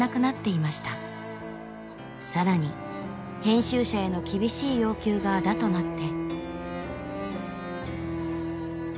更に編集者への厳しい要求があだとなって。